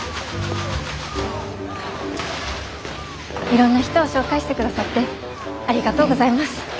いろんな人を紹介してくださってありがとうございます。